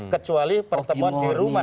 kecuali pertemuan di rumah